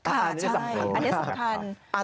อันนี้สำคัญ